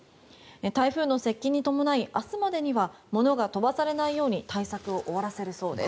台風の接近に伴い明日までには物が飛ばされないように対策を終わらせるそうです。